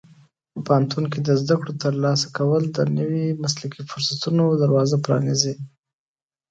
پوهنتون کې د زده کړو ترلاسه کول د نوي مسلکي فرصتونو دروازه پرانیزي.